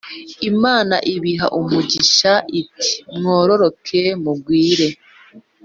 Imana ibiha umugisha, iti “Mwororoke, mugwire